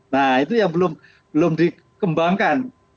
nah itu yang belum dikembangkan